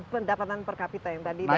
pendapatan per kapita yang tadi